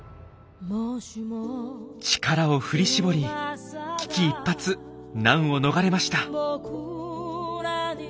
力を振り絞り危機一髪難を逃れました。